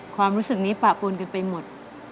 ความรู้สึกนี้ปะปนกันไปหมด